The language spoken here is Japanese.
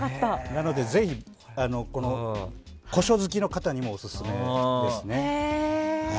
なのでぜひ、古書好きの方にもオススメですね。